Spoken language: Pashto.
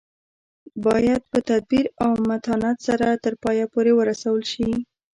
باید په تدبیر او متانت سره تر پایه پورې ورسول شي.